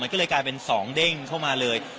ก็เลยกลายเป็น๒เด้งเข้ามาเลย